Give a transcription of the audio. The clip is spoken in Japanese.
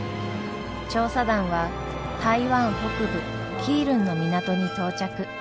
調査団は台湾北部基隆の港に到着。